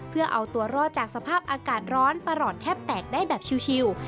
เพื่อเอาตัวรอดจากสภาพอากาศร้อนประหลอดแทบแตกได้แบบชิล